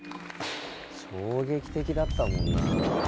衝撃的だったもんな。